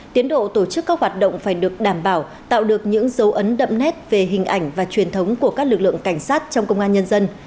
tiến độ tổ chức các hoạt động phải được đảm bảo tạo được những dấu ấn đậm nét về hình ảnh và truyền thống của các lực lượng cảnh sát trong công an nhân dân